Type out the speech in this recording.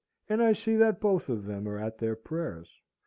And I see that both of them are at their prayers.